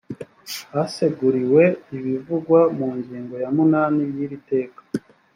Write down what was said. haseguriwe ibivugwa mu ngingo ya munani y’ iri teka